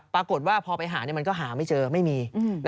ปรากฏว่าพอไปหามันก็หาไม่เจอไม่มี